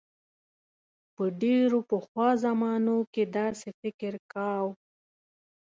په ډیرو پخوا زمانو کې داسې فکر کاؤ.